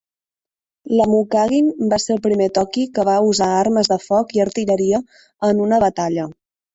Lemucaguin va ser el primer Toqui que va usar armes de foc i artilleria en una batalla.